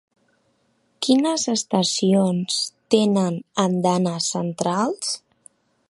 Quines estacions tenen andanes centrals?